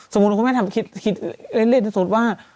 สมมุติเอาคุณแม่คิดเล่นโดยการสมมุติว่า